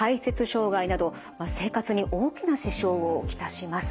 生活に大きな支障を来します。